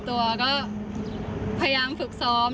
ตัวก็พยายามฝึกซ้อม